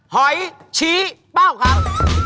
หอยชี้เป้าครับ